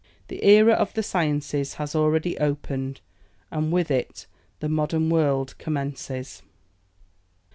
The era of the sciences has already opened, and with it the modern world commences.